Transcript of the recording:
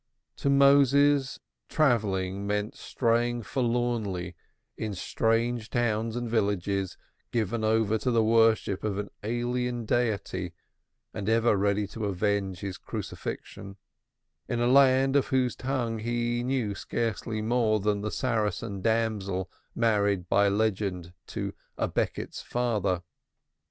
To Moses, "travelling" meant straying forlornly in strange towns and villages, given over to the worship of an alien deity and ever ready to avenge his crucifixion; in a land of whose tongue he knew scarce more than the Saracen damsel married by legend to à Becket's father.